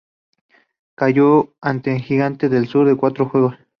Cayó ante Gigantes del Sur en cuatro juegos.